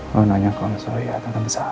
lo nanya ke om surya tentang kesalahan